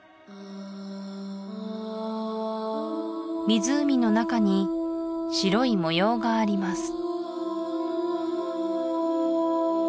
湖の中に白い模様があります